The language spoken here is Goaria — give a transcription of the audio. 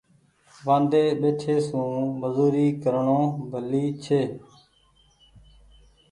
وآندي ٻيٺي سون مزوري ڪرڻو ڀلو ڇي۔